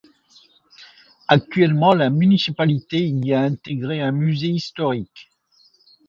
Actuellement, la municipalité y a intégré un musée historique.